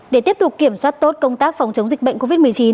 để tiếp tục kiểm soát tốt công tác phòng chống dịch bệnh covid một mươi chín